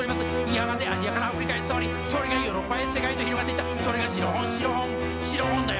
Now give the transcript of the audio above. やがてアジアからアフリカへ伝わりそれがヨーロッパへ世界へと広がっていったそれがシロフォンシロフォンシロフォンだよ